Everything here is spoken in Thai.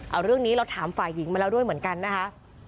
เอาเรื่องนี้เราถามฝ่ายหญิงมาแล้วด้วยเหมือนกันนะคะ